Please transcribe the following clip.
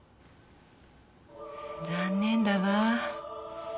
残念だわ。